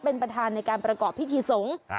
เป็นประธานในการประกอบพิธีสงฆ์